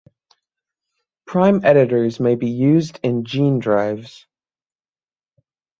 Prime editors may be used in gene drives.